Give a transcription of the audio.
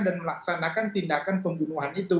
dan melaksanakan tindakan pembunuhan itu